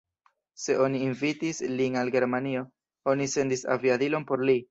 Se oni invitis lin al Germanio, oni sendis aviadilon por li.